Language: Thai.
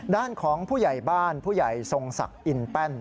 ด้านของผู้ใหญ่บ้านผู้ใหญ่ทรงศักดิ์อินแป้น